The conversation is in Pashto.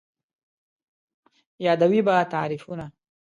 یادوې به تعريفونه